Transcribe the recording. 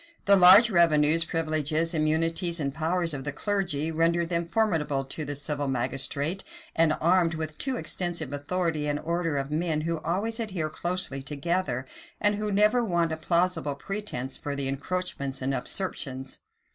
The large revenues, privileges, immunities, and powers of the clergy, rendered them formidable to the civil magistrate; and armed with too extensive authority an order of men who always adhere closely together, and who never want a plausible pretence for their encroachments and usurpations.